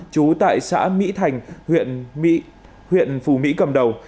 chú tại xã mỹ thành huyện phù mỹ cầm đầu